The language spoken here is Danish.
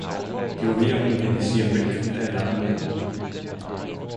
De var ved at homogenisere mælk, da alarmen lød.